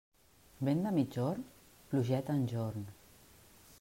Vent de migjorn?, plugeta enjorn.